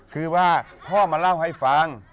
คือว่าพ่อมาเล่าให้ฟัง